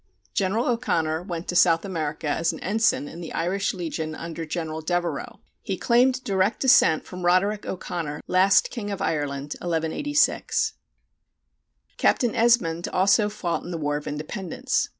General O'Connor went to South America as an ensign in the Irish Legion under General Devereux. He claimed direct descent from Roderic O'Conor, last king of Ireland, 1186. Captain Esmonde also fought in the War of Independence.